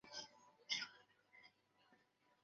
野柿为柿科柿属下的一个变种。